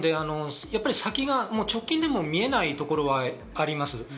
先が直近でも見えないところがあります。